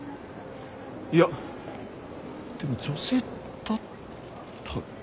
いやでも女性だった。